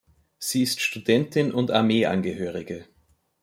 Sie ist Studentin und Armeeangehörige.